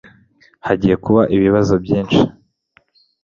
Hagiye kuba ibibazo byinshi.